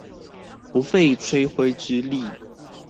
不費吹灰之力